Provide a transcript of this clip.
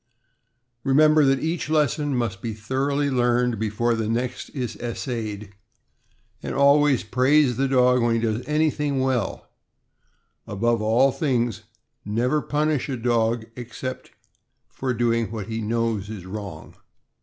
Remember that each lesson must be thoroughly learned before the next is essayed, and always praise the dog when he does anything well; above all things, never punish a dog except for doing what he knows is wrong.